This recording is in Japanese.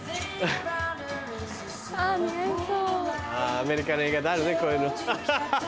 アメリカの映画であるねこういうのアハハ！